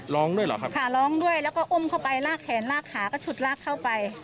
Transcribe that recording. ร้องด้วยเหรอครับขาร้องด้วยแล้วก็อุ้มเข้าไปลากแขนลากขาก็ฉุดลากเข้าไป